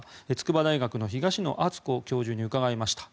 筑波大学の東野篤子教授に伺いました。